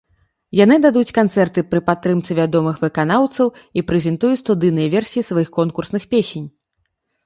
Яны дадуць канцэрты пры падтрымцы вядомых выканаўцаў і прэзентуюць студыйныя версіі сваіх конкурсных песень.